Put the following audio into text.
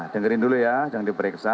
dengerin dulu ya jangan diperiksa